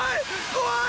怖い！